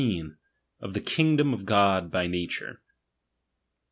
OF THE KINGDOM OF GOD BY NATURE.